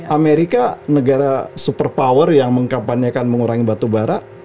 amerika negara super power yang mengkapan akan mengurangi batubara